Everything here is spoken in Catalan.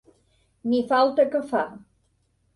Ni falta que fa.